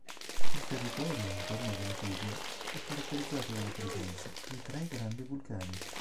Il territorio intorno ad Antigua è caratterizzato dalla presenza di tre grandi vulcani.